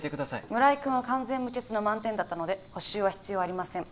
村井君は完全無欠の満点だったので補習は必要ありません